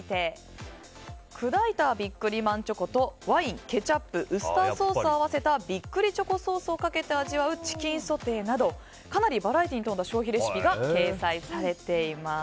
砕いたビックリマンチョコとワイン、ケチャップウスターソースを合わせたビックリチョコソースをかけて味わうチキンソテーなどかなりバラエティーに富んだ消費レシピが掲載されています。